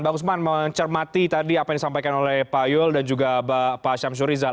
bang usman mencermati tadi apa yang disampaikan oleh pak yul dan juga pak syamsurizal